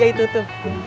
ya itu itu